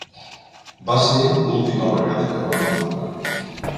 Va ser l'última vegada que vam jugar.